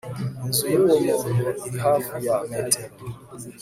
Inzu yuwo muntu iri hafi ya metero